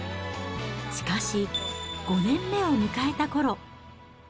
しかし、５年目を迎えたころ。